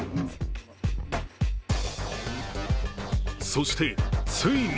そして、ついに